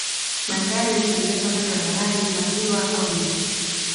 Bandari hutengenezwa kando ya bahari, maziwa au mito.